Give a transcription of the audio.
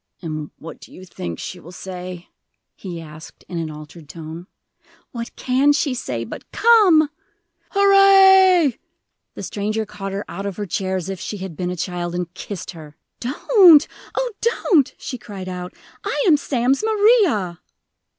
"And what do you think she will say?" he asked, in an altered tone. "What can she say but Come!" "Hurrah!" The stranger caught her out of her chair as if she had been a child, and kissed her. "Don't oh, don't!" she cried out. "I am Sam's Maria!"